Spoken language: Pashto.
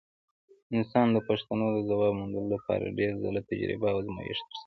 انسان د پوښتنو د ځواب موندلو لپاره ډېر ځله تجربه او ازمېښت ترسره کوي.